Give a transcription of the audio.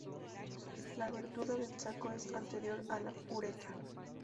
La abertura del saco es anterior a la uretra.